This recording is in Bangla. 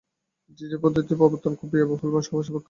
ডিজিটাল পদ্ধতি প্রবর্তন খুব ব্যয়বহুল বা সময়সাপেক্ষ নয়।